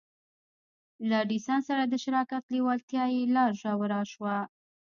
له ايډېسن سره د شراکت لېوالتیا يې لا ژوره شوه.